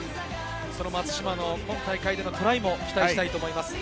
松島の今大会でのトライも期待したいと思います。